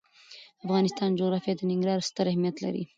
د افغانستان جغرافیه کې ننګرهار ستر اهمیت لري.